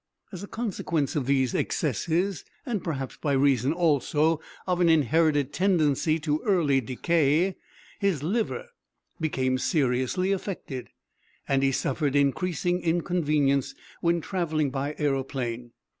As a consequence of these excesses, and perhaps by reason also of an inherited tendency to early decay, his liver became seriously affected, and he suffered increasing inconvenience when travelling by aëroplane.